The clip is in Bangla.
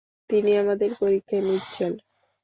তিনি আমাদের পরীক্ষা নিচ্ছেন।